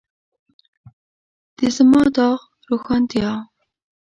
د زما داغ روښانتیا.